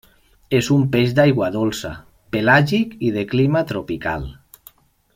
És un peix d'aigua dolça, pelàgic i de clima tropical.